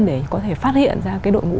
để có thể phát hiện ra cái đội ngũ